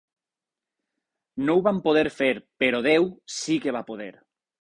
No ho vam poder fer, però Déu sí que va poder.